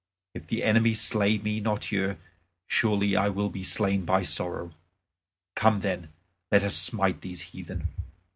If the enemy slay me not here, surely I shall be slain by sorrow. Come then, let us smite these heathen."